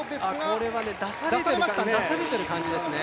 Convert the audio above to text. これは出されてる感じですね。